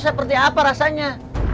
seperti apa rasanya